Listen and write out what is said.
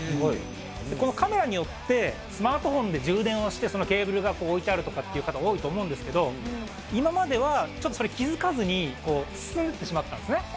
このカメラによって、スマートフォンで充電をして、そのケーブルが置いてあるとかっていう方、多いと思うんですけど、今までは、ちょっとそれ気付かずに、進んでいてしまったんですね。